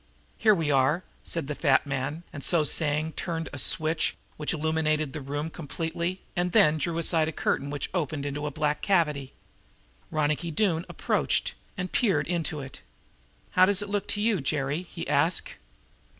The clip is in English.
"Here we are," said the fat man, and, so saying, he turned a switch which illumined the room completely and then drew aside a curtain which opened into a black cavity. Ronicky Doone approached and peered into it. "How does it look to you, Jerry?" he asked.